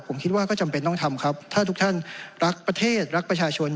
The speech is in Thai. ผมคิดว่าก็จำเป็นต้องทำครับถ้าทุกท่านรักประเทศรักประชาชน